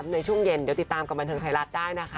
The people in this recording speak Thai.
ในช่วงเย็นเดี๋ยวติดตามกับบันเทิงไทยรัฐได้นะคะ